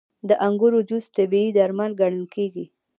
• د انګورو جوس طبیعي درمل ګڼل کېږي.